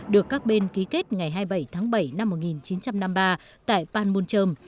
được các bên ký kết ngày hai mươi bảy tháng bảy năm một nghìn chín trăm năm mươi ba tại panmunjom